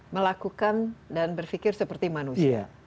melakukan dan berpikir seperti manusia